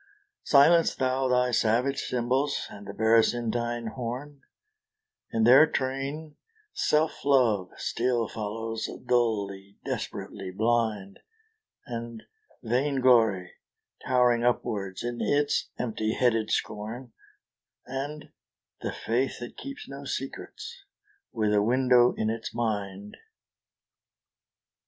Silence thou thy savage cymbals, and the Berecyntine horn; In their train Self love still follows, dully, desperately blind, And Vain glory, towering upwards in its empty headed scorn, And the Faith that keeps no secrets, with a window in its mind.